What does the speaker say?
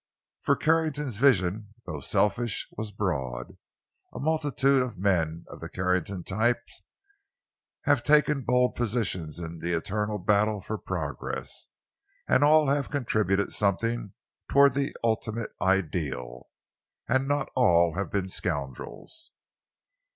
For Carrington's vision, though selfish, was broad. A multitude of men of the Carrington type have taken bold positions in the eternal battle for progress, and all have contributed something toward the ultimate ideal. And not all have been scoundrels.